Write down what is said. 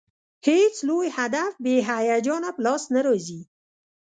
هېڅ لوی هدف بې هیجانه په لاس نه راځي.